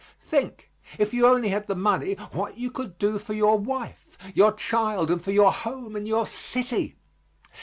Think, if you only had the money, what you could do for your wife, your child, and for your home and your city.